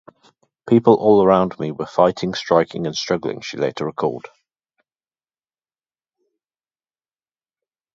"People all around me were fighting, striking and struggling," she later recalled.